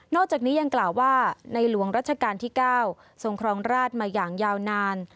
จากนี้ยังกล่าวว่าในหลวงรัชกาลที่๙ทรงครองราชมาอย่างยาวนาน